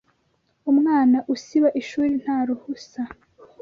Umwana usiba ishuri nta ruhusa